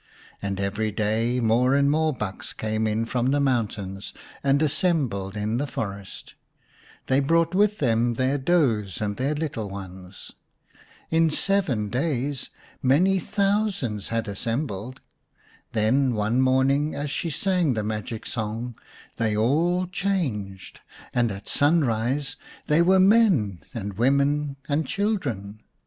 And every day more and more bucks came in from the mountains, and assembled in the forest. They brought with them their does and their little ones. In seven days many thousands had assembled. Then one morning as she sang the magic song they all changed, and at sunrise they were men, women, and children.